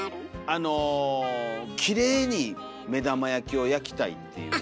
あのきれいに目玉焼きを焼きたいっていう。